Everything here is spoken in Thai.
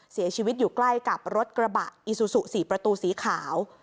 เสียชีวิตอยู่ใกล้กับรถกระบะอีซูซู๔ประตูสีขาว